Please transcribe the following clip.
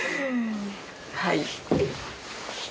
はい。